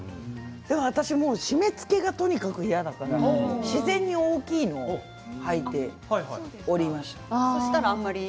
私もう締めつけがとにかく嫌だから自然に大きいのをはいておりました。